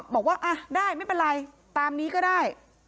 บอกว่าได้ไม่เป็นไรตามนี้ก็ได้